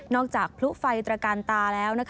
นอกจากปลุฟัยตระการตาแล้วนะคะ